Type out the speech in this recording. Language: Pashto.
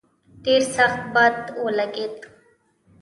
ډېر سخت باد ولګېد.